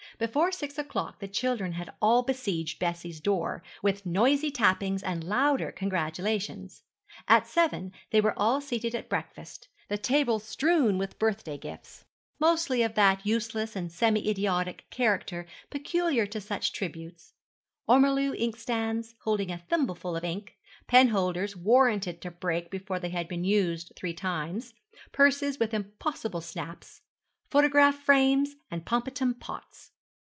Before six o'clock the children had all besieged Bessie's door, with noisy tappings and louder congratulations. At seven, they were all seated at breakfast, the table strewn with birthday gifts, mostly of that useless and semi idiotic character peculiar to such tributes ormolu inkstands, holding a thimbleful of ink penholders warranted to break before they have been used three times purses with impossible snaps photograph frames and pomatum pots.